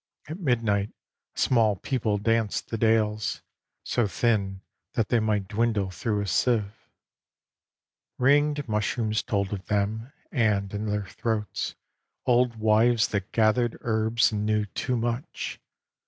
At midnight a small people danced the dales, So thin that they might dwindle through a sieve XXV Ringed mushrooms told of them, and in their throats, Old wives that gathered herbs and knew too much.